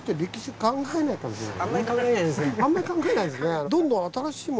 あんまり考えないですね。